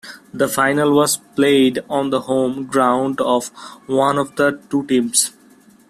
The final was played on the home ground of one of the two teams.